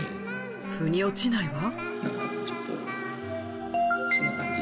ふに落ちないわ。